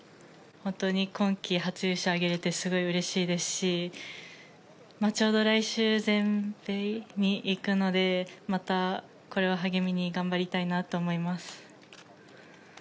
本当に今季初優勝を挙げれてすごいうれしいですしちょうど来週、全米に行くのでまたこれを励みに頑張りたいなと思います。